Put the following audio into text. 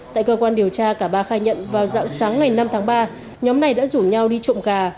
tại cơ quan điều tra cả ba khai nhận vào dạng sáng ngày năm tháng ba nhóm này đã rủ nhau đi trộm gà